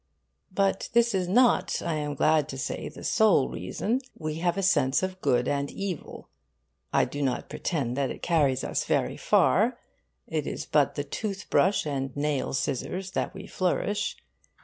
But this is not, I am glad to say, the sole reason. We have a sense of good and evil. I do not pretend that it carries us very far. It is but the tooth brush and nail scissors that we flourish.